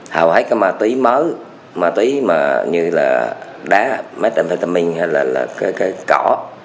hầu hết cái ma túy mới ma túy như là đá methamphetamine hay là cái cỏ